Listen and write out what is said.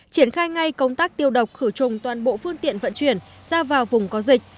triển khai ngay công tác tiêu độc khử trùng toàn bộ phương tiện vận chuyển ra vào vùng có dịch